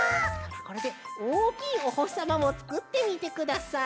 これでおおきいおほしさまもつくってみてください。